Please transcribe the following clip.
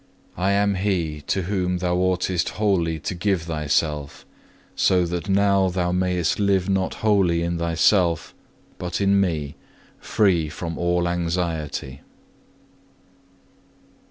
I am He to whom thou oughtest wholly to give thyself; so that now thou mayest live not wholly in thyself, but in Me, free from all anxiety.